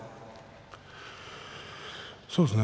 そうですね